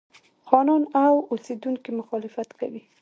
خانان او اوسېدونکي مخالفت کوي.